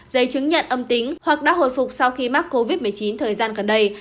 giấy chứng nhận âm tính hoặc đã hồi phục sau khi mắc covid một mươi chín thời gian gần đây